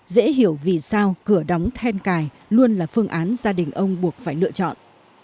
dễ hiểu vì sao cửa đóng then cài luôn là phương án gia đình ông buộc phải lựa chọn